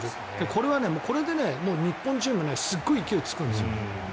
これはこれで日本チームすごい勢いがつくんですよ。